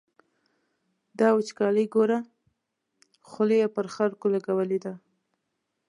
دا وچکالي ګوره، خوله یې پر خلکو لګولې ده.